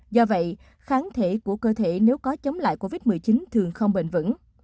do vậy kháng thể của cơ thể nếu có chống lại covid một mươi chín thường không bền vững